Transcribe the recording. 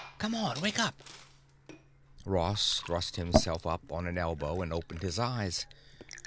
"Come on, wake up." Ross thrust himself up on an elbow and opened his eyes.